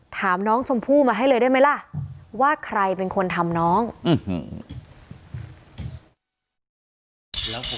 ถามน้องชมพู่มาให้เลยได้ไหมล่ะว่าใครเป็นคนทำน้องอื้อหือ